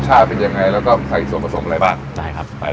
ใช่เลยครับ